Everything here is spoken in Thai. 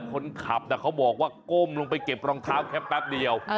คนขับกล้มลงไปเก็บรองเท้าแค่แป๊บเดียว